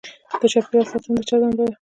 د چاپیریال ساتنه د چا دنده ده؟